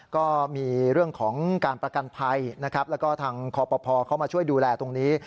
ก็มีเรื่องของการประกันภัยนะครับแล้วก็ทางคอปภเข้ามาช่วยดูแลตรงนี้